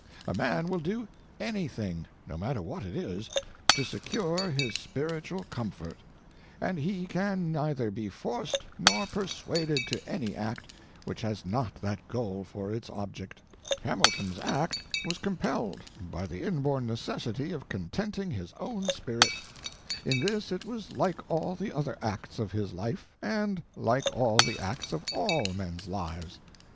A man will do anything, no matter what it is, to secure his spiritual comfort; and he can neither be forced nor persuaded to any act which has not that goal for its object. Hamilton's act was compelled by the inborn necessity of contenting his own spirit; in this it was like all the other acts of his life, and like all the acts of all men's lives.